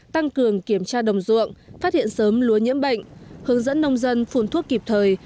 tăng cường kiểm tra đồng ruộng phát hiện sớm lúa nhiễm bệnh hướng dẫn nông dân phun thuốc kịp thời